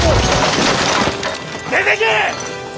出ていけ！